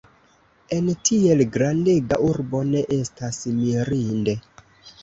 En tiel grandega urbo ne estas mirinde.